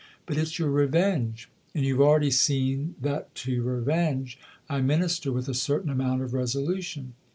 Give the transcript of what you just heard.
But it's your revenge, and you've already seen that to your revenge I minister with a certain amount of resolution."